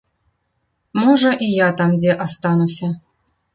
Можа, і я там дзе астануся.